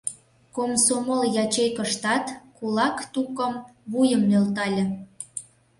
Комсомол ячейкыштат кулак тукым вуйым нӧлтале.